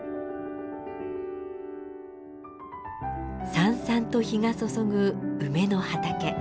さんさんと日が注ぐ梅の畑。